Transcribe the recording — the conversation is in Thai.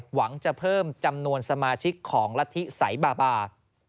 หวังจะเพิ่มจำนวนสมาชิกของละทิสัยบาบา